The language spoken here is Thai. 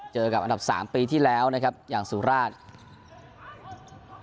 เจอกับอันดับสามปีที่แล้วนะครับอย่างสุราช